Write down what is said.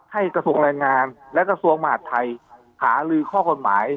กระทรวงแรงงานและกระทรวงมหาดไทยหาลือข้อกฎหมาย